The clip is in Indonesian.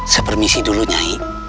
sepermisi dulu nyai